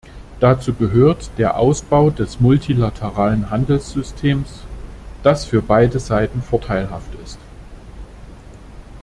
Dazu gehört der Ausbau des multilateralen Handelssystems, das für beide Seiten vorteilhaft ist.